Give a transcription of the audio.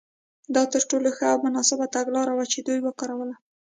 دا تر ټولو ښه او مناسبه تګلاره وه چې دوی وکارول.